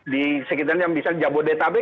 di sekitaran yang bisa jabodetabek